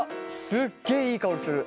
すっげえいい香りする！